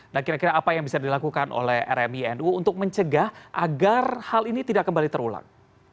nah kira kira apa yang bisa dilakukan oleh rminu untuk mencegah agar hal ini tidak kembali terulang